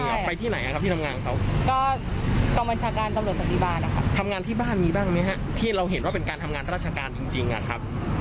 ก็ไปที่ไหนที่ทำงานจากค่ะ